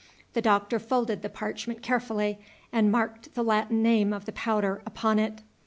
The Doctor folded the parchment carefully, and marked the Latin name of the powder upon it.